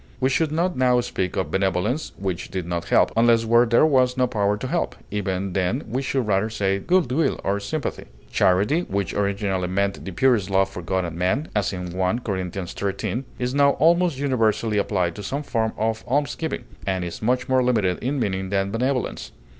We should not now speak of benevolence which did not help, unless where there was no power to help; even then we should rather say good will or sympathy. Charity, which originally meant the purest love for God and man (as in 1 Cor. xiii), is now almost universally applied to some form of almsgiving, and is much more limited in meaning than benevolence.